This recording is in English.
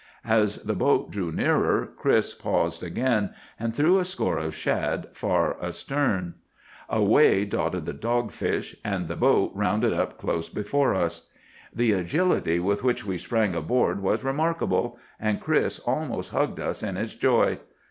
"As the boat drew nearer, Chris paused again, and threw a score of shad far astern. Away darted the dogfish; and the boat rounded up close before us. "The agility with which we sprang aboard was remarkable, and Chris almost hugged us in his joy.